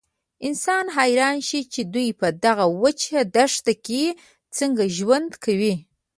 انسان حیران شي چې دوی په دغه وچه دښته کې څنګه ژوند کوي.